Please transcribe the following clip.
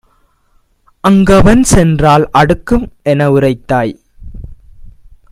அங்கவன் சென்றால் அடுக்கும் எனஉரைத்தாய்;